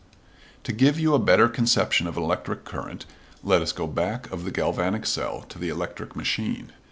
To give you a better conception of an electric current, let us go back of the galvanic cell to the electric machine.